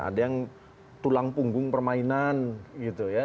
ada yang tulang punggung permainan gitu ya